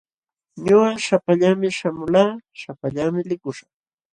Ñuqa shapallaami shamulqaa, shapallaami likuśhaq.